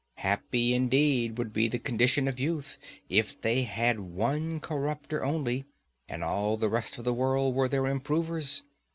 Happy indeed would be the condition of youth if they had one corrupter only, and all the rest of the world were their improvers.